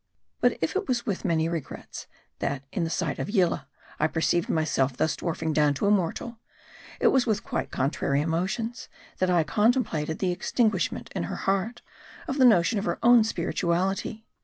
MARDI. ]89 But if it was with many regrets, that in the sight of Yil lah, I perceived myself thus dwarfing down to a mortal ; it was with quite contrary emotions, that I contemplated the extinguishment in her heart of the notion of her own spirit uality.